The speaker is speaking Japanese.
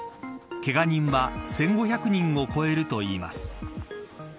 けが人は１５００人を超えるといいます。